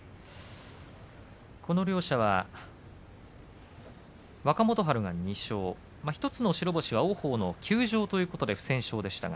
この両者は若元春が２勝１つの白星は王鵬の休場で不戦勝でした。